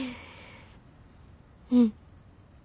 うん。